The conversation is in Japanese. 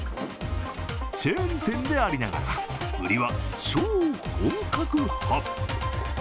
チェーン店でありながら売りは超本格派。